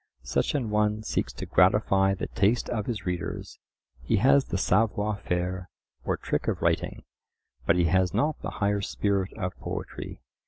Such an one seeks to gratify the taste of his readers; he has the "savoir faire," or trick of writing, but he has not the higher spirit of poetry.